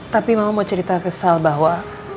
tapi mama mau cerita ke sal bahwa